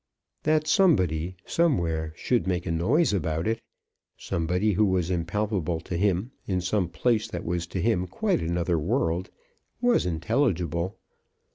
That somebody, somewhere, should make a noise about it, somebody who was impalpable to him, in some place that was to him quite another world, was intelligible.